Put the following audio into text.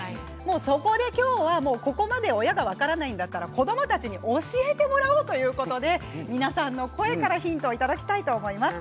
そこで今日はここまで親が分からないんだったら子どもたちに教えてもらおうということで皆さんの声からヒントをいただきたいと思います。